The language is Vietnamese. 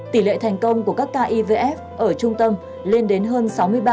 tỷ lệ thành công của các ca ivf ở trung tâm lên đến hơn sáu mươi ba